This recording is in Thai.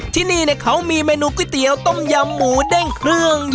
ที่นี่เขามีเมนูก๋วยเตี๋ยวต้มยำหมูเด้งเครื่อง